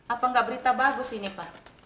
apa nggak berita bagus ini pak